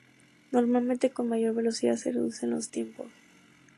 Normalmente, con mayor velocidad se reducen los tiempos.